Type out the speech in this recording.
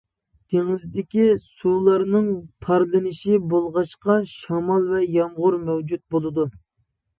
دېڭىزدىكى سۇلارنىڭ پارلىنىشى بولغاچقا شامال ۋە يامغۇر مەۋجۇت بولىدۇ.